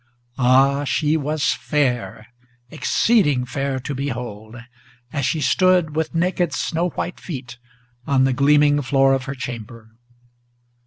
Ah! she was fair, exceeding fair to behold, as she stood with Naked snow white feet on the gleaming floor of her chamber!